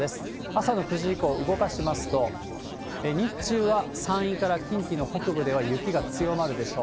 朝の９時以降、動かしますと、日中は山陰から近畿の北部では雪が強まるでしょう。